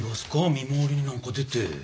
見回りになんか出て。